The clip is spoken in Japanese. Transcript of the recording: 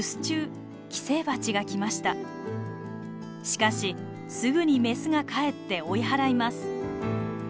しかしすぐにメスが帰って追い払います。